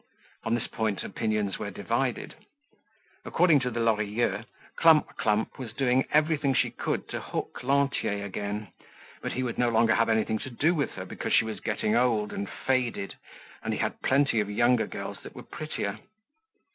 On this point opinions were divided. According to the Lorilleuxs, Clump clump was doing everything she could to hook Lantier again, but he would no longer have anything to do with her because she was getting old and faded and he had plenty of younger girls that were prettier.